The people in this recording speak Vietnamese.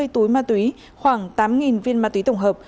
hai mươi túi ma túy khoảng tám viên ma túy tổng hợp